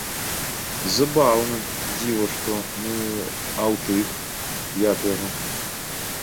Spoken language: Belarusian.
Забаўна, дзіва што, ну, а ў тых, як яго?